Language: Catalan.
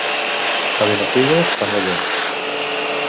A Benafigos, panolla.